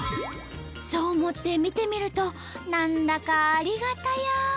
そう思って見てみると何だかありがたや。